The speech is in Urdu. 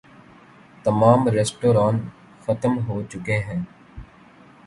تمام ریستوران ختم ہو چکے ہیں۔